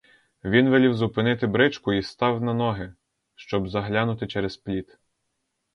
Він велів зупинити бричку і став па ноги, щоб заглянути через пліт.